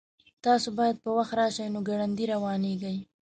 تاسو باید په وخت راشئ نو ګړندي روانیږئ